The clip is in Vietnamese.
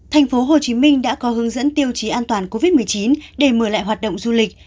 thành phố hồ chí minh đã có hướng dẫn tiêu chí an toàn covid một mươi chín để mở lại hoạt động du lịch